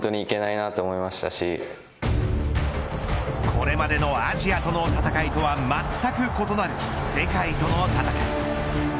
これまでのアジアとの戦いとはまったく異なる世界との戦い。